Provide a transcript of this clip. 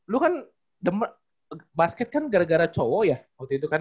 lu kan basket kan gara gara cowok ya waktu itu kan